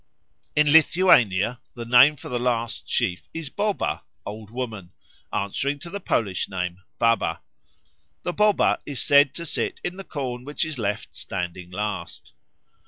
In Lithuania the name for the last sheaf is Boba (Old Woman), answering to the Polish name Baba. The Boba is said to sit in the corn which is left standing last.